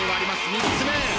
３つ目。